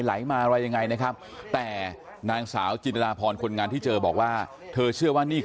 คิดตัวปฏิวัยคือด้านหลังที่พักคนงานนี่เขามีพวกศะน้ำ